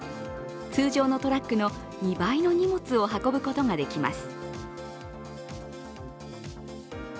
通常のトラックの２倍の荷物を運ぶことができます。